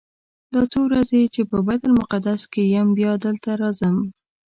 دا څو ورځې چې په بیت المقدس کې یم بیا به دلته راځم.